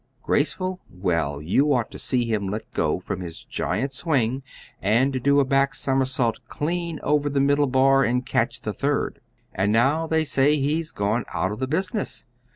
Graceful? Well, you ought to see him let go from his giant swing and do a back somersault clean over the middle bar and catch the third! And now they say he's gone out of the business.